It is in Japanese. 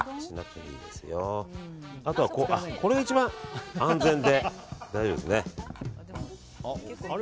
これが一番安全で大丈夫ですね。